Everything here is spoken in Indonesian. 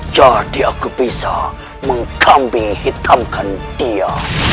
jadi aku bisa menggambing hitamkan dia